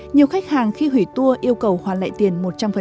nhiều khách hàng khi hủy tour yêu cầu hoàn lại tiền một trăm linh